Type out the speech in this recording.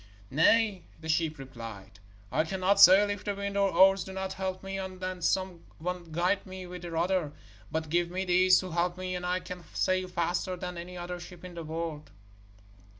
'Nay,' the ship replied, 'I cannot sail if the wind or oars do not help me on and some one guide me with the rudder. But give me these to help me, and I can sail faster than any other ship in the world.'